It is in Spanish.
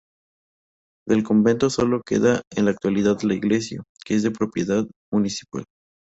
Del convento solo queda en la actualidad la iglesia, que es de propiedad municipal.